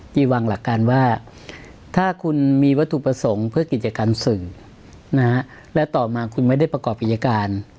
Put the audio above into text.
ที่วางหลักการว่าถ้าคุณมีวัตถุประสงค์เพื่อกิจการสื่อนะฮะและต่อมาคุณไม่ได้ประกอบกิจการ